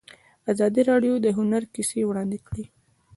ازادي راډیو د هنر کیسې وړاندې کړي.